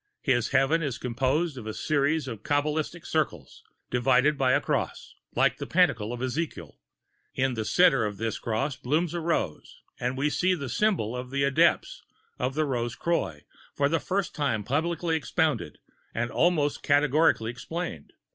His Heaven is composed of a series of Kabalistic circles, divided by a cross, like the Pantacle of Ezekiel. In the centre of this cross blooms a rose, and we see the symbol of the Adepts of the Rose Croix for the first time publicly expounded and almost categorically explained.